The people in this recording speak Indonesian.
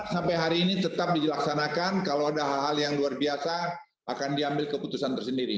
sampai hari ini tetap dilaksanakan kalau ada hal hal yang luar biasa akan diambil keputusan tersendiri